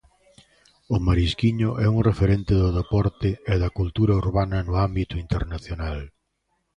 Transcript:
O Marisquiño é un referente do deporte e da cultura urbana no ámbito internacional.